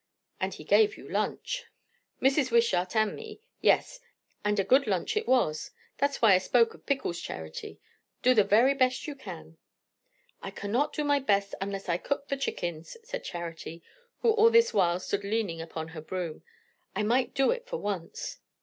"And he gave you lunch." "Mrs. Wishart and me. Yes. And a good lunch it was. That's why I spoke of pickles, Charity. Do the very best you can." "I cannot do my best, unless I can cook the chickens," said Charity, who all this while stood leaning upon her broom. "I might do it for once."